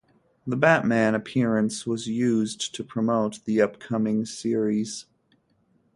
The Batman appearance was used to promote the upcoming series.